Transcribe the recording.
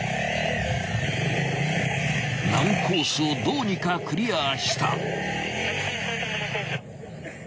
［難コースをどうにかクリアした］